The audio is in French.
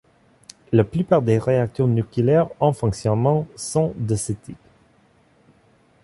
La plupart des réacteurs nucléaires en fonctionnement sont de ce type.